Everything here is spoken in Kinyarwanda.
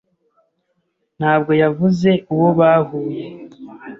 ntabwo yavuze uwo bahuye.